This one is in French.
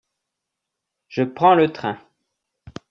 Je prends le train.